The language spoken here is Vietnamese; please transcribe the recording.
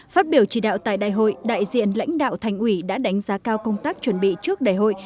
phát biểu chỉ đạo tại đại hội đại diện lãnh đạo thành ủy đã đánh giá cao công tác chuẩn bị trước đại hội